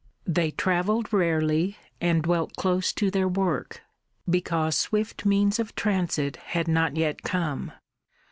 They travelled rarely, and dwelt close to their work, because swift means of transit had not yet come.